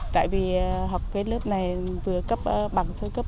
tại vì học cái lớp này vừa cấp bằng sơ cấp